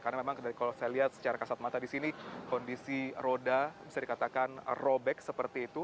karena memang kalau saya lihat secara kasat mata di sini kondisi roda bisa dikatakan robek seperti itu